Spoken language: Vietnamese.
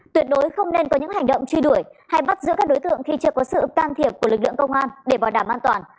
tuyệt đối không nên có những hành động truy đuổi hay bắt giữ các đối tượng khi chưa có sự can thiệp của lực lượng công an để bảo đảm an toàn